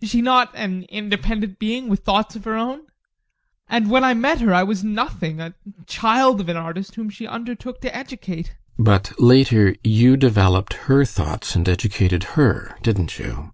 Is she not an independent being, with thoughts of her own? And when I met her I was nothing a child of an artist whom she undertook to educate. GUSTAV. But later you developed her thoughts and educated her, didn't you?